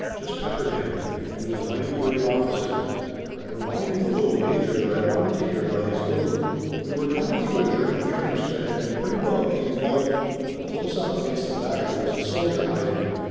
Just peppered him. He was a mighty brave officer." I reminded the little major that I wanted to hear about his wound. "We were coming through a German trench that had been pretty well cleaned out, but close up against the back there was a soldier hiding.